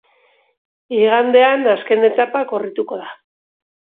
Igandean azken etapa korrituko da.